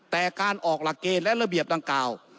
แต่การออกหลักเกณฑ์และระเบียบดังกล่าว